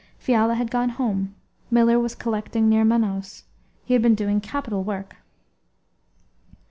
Fiala had gone home. Miller was collecting near Manaos. He had been doing capital work.